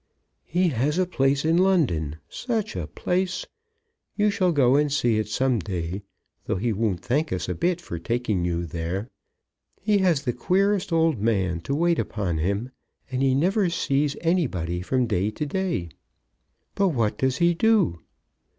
"He has a place in London; such a place! You shall go and see it some day, though he won't thank us a bit for taking you there. He has the queerest old man to wait upon him, and he never sees anybody from day to day." "But what does he do?"